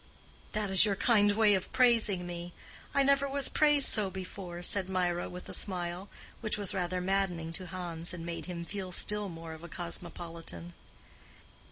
"That is your kind way of praising me; I never was praised so before," said Mirah, with a smile, which was rather maddening to Hans and made him feel still more of a cosmopolitan.